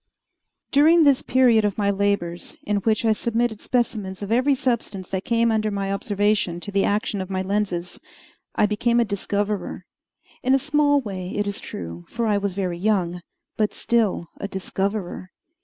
During this period of my labors, in which I submitted specimens of every substance that came under my observation to the action of my lenses, I became a discoverer in a small way, it is true, for I was very young, but still a discoverer.